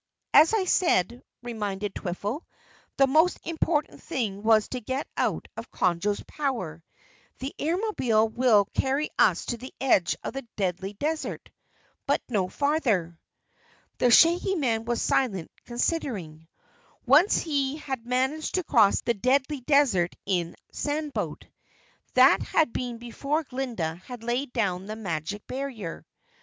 "As I said," reminded Twiffle, "the most important thing was to get out of Conjo's power. The Airmobile will carry us to the edge of the Deadly Desert, but no farther." The Shaggy Man was silent considering. Once he had managed to cross the Deadly Desert in a sandboat that had been before Glinda had laid down the magic barrier.